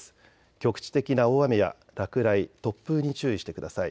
局地的な大雨や落雷、突風に注意してください。